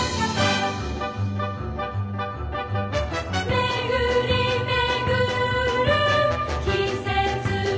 「めぐりめぐる季節を風は」